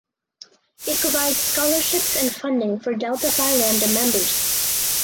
It provides scholarships and funding for Delta Phi Lambda members.